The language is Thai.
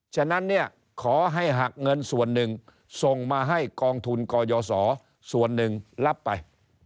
ฉะนั้นเนี่ยขอให้หักเงินส่วนหนึ่งส่งมาให้กองทุนกยศส่วนหนึ่งรับไป